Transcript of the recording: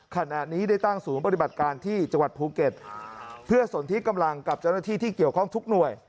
ขณะนี้ได้ตั้งศูนย์ปฏิบัติการที่จังหวัดภูเก็ตเพื่อสนที่กำลังกับเจ้าหน้าที่ที่เกี่ยวข้องทุกหน่วย